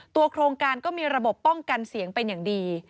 โครงการก็มีระบบป้องกันเสียงเป็นอย่างดี